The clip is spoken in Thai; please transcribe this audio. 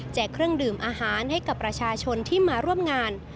เครื่องดื่มอาหารให้กับประชาชนที่มาร่วมงาน